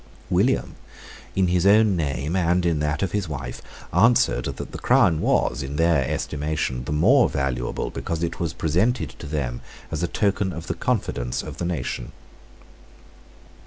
William, in his own name and in that of his wife, answered that the crown was, in their estimation, the more valuable because it was presented to them as a token of the confidence of the nation.